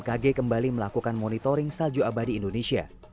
bkg kembali melakukan monitoring salju abadi indonesia